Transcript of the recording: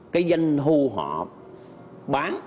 cái danh thu họ bán